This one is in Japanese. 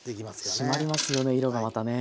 締まりますよね色がまたね。